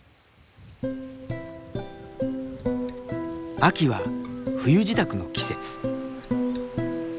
秋は冬支度の季節。